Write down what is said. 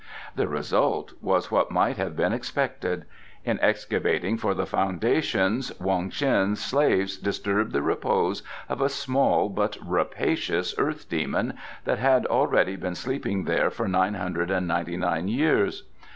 The result was what might have been expected. In excavating for the foundations, Wong Ts'in's slaves disturbed the repose of a small but rapacious earth demon that had already been sleeping there for nine hundred and ninety nine years.